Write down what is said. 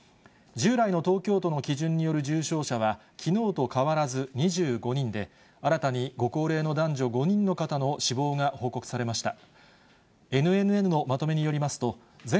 従来の東京都の基準による重症者は、きのうと変わらず２５人で、新たにご高齢の男女５人の方の死亡が報告されました。